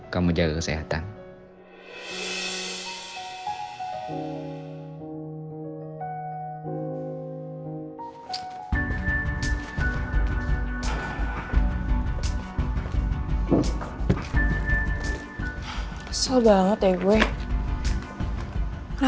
kamu jaga kesehatan